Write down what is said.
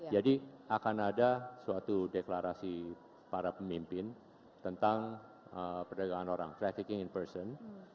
jadi akan ada suatu deklarasi para pemimpin tentang perdagangan orang trafficking in person